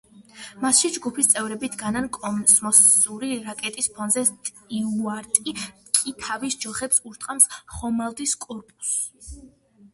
მასში ჯგუფის წევრები დგანან კოსმოსური რაკეტის ფონზე, სტიუარტი კი თავის ჯოხებს ურტყამს ხომალდის კორპუსს.